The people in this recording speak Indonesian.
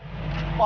terima kasih mbak